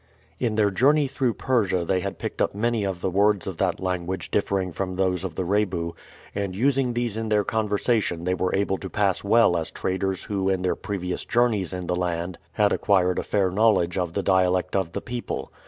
In their journey through Persia they had picked up many of the words of that language differing from those of the Rebu, and using these in their conversation they were able to pass well as traders who in their previous journeys in the land had acquired a fair knowledge of the dialect of the people.